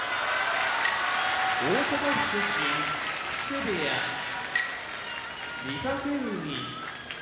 大阪府出身木瀬部屋御嶽海